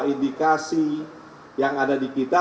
indikasi yang ada di kita